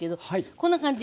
こんな感じ。